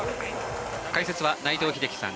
解説は内藤英樹さん。